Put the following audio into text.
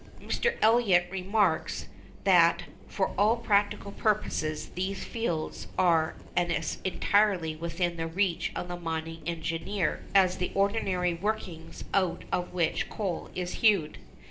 Mr. Elliot remarks that 'for all practical purposes these fields are as entirely within the reach of the mining engineer as the ordinary workings out of which coal is hewed.